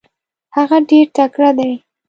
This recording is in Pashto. هغه ډېر تکړه دی.